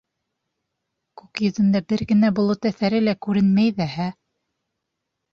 Күк йөҙөндә бер генә болот әҫәре лә күренмәй ҙәһә!